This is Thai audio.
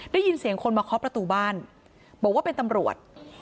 ได้ยินเสียงคนมาเคาะประตูบ้านบอกว่าเป็นตำรวจ